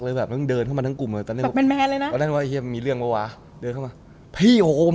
แล้วตอนนั้นเค้ายังเดินขึ้นมาทั้งกลุ่ม